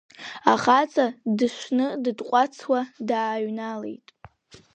Ахаҵа дышны дытҟәацуа дааҩнашылеит.